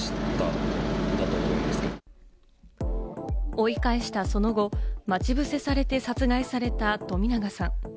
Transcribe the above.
追い返したその後、待ち伏せされて殺害された冨永さん。